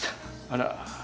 あら。